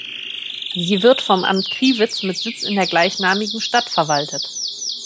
Sie wird vom Amt Crivitz mit Sitz in der gleichnamigen Stadt verwaltet.